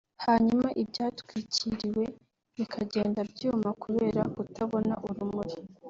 hanyuma ibyatwikiriwe bikagenda byuma kubera kutabona urumuri